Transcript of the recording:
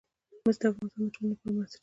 مس د افغانستان د ټولنې لپاره بنسټيز رول لري.